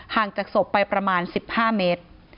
จากศพไปประมาณ๑๕เมตร